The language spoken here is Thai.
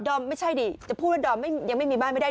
อมไม่ใช่ดิจะพูดว่าดอมยังไม่มีบ้านไม่ได้